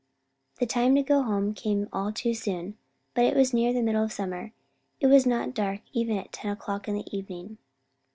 The time to go home came all too soon. But as it was near the middle of summer, it was not dark even now at ten o'clock in the evening.